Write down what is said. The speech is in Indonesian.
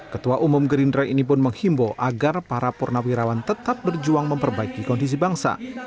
ketua umum gerindra ini pun menghimbau agar para purnawirawan tetap berjuang memperbaiki kondisi bangsa